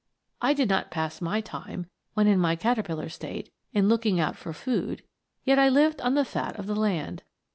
I did not pass my time, when in my caterpillar state, in looking out for food; yet I lived on the fat of the land.